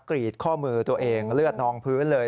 กรีดข้อมือตัวเองเลือดนองพื้นเลย